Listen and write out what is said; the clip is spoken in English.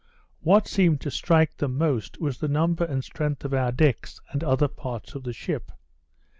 What seemed to strike them most was the number and strength of our decks, and other parts of the ship.